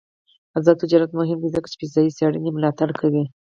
آزاد تجارت مهم دی ځکه چې فضايي څېړنې ملاتړ کوي.